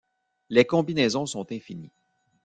Les combinaisons sont infinies.